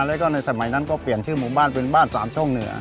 แล้วก็ในสมัยนั้นก็เปลี่ยนชื่อหมู่บ้านเป็นบ้านสามช่องเหนือ